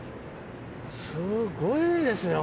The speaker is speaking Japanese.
すごいですね